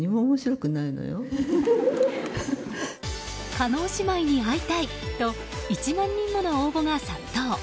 叶姉妹に会いたいと１万人もの応募が殺到。